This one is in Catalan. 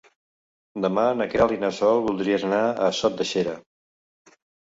Demà na Queralt i na Sol voldrien anar a Sot de Xera.